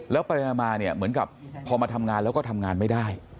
แล้วไปมาเนี่ยเหมือนกับพอมาทำงานแล้วก็ทำงานไม่ได้